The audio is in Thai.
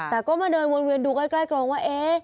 แต่ก็มาเดินวนเวียนดูใกล้กรงว่า